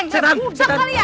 buset udah budak kali ya